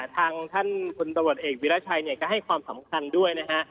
ทางท่านคุณตะวัดเอกวิราชัยก็ให้ความสำคัญด้วยนะฮะ